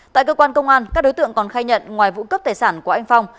tại cơ quan công an các đối tượng còn khai nhận ngoài vụ cướp tài sản của anh phong